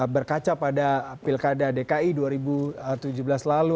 berkaca pada pilkada dki dua ribu tujuh belas lalu